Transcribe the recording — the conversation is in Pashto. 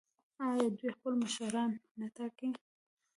آیا دوی خپل مشران نه ټاکي؟